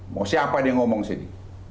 mau siapa dia ngomong sini